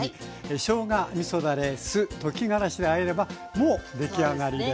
しょうがみそだれ・酢溶きがらしであえればもう出来上がりです。